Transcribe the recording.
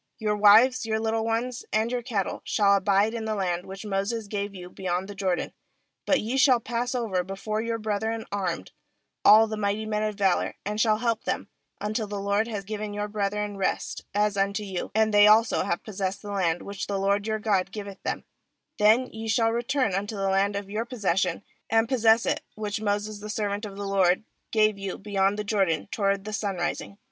14Your wives, your little ones, and your cattle, shall abide in the land which Moses gave you beyond the Jordan; but ye shall pass over be fore your brethren armed, all the mighty men of valour, and shall help them; 15until the LORD have given your brethren rest, as unto you, and they also have possessed the land which the LORD your God giveth them; then ye shall return unto the land of your possession, and possess it, which Moses the servant of the LORD gave you beyond the Jordan toward the sunrising.'